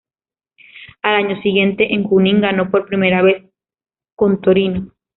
Al año siguiente, en Junín, ganó por primera vez con Torino.